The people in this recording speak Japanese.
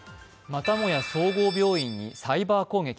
またもや総合病院にサイバー攻撃。